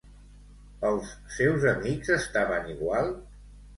Els seus amics estaven igual?